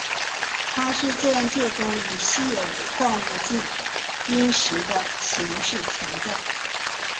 它在自然界中以稀有矿物羟铟石的形式存在。